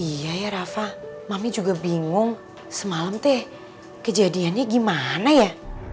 iya ya rafa mami juga bingung semalam deh kejadiannya gimana ya